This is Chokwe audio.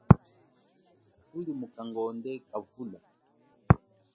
Thuli mukangonde wa vula.